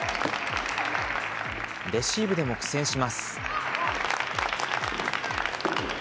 レシーブでも苦戦します。